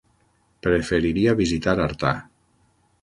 Preferiria visitar Artà.